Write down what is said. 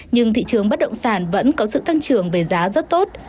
nhưng thị trường bất động sản vẫn có sự tăng trưởng về giá rất tốt